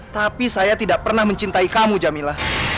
tapi saya tidak pernah mencintai kamu jamila